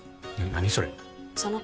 何それ？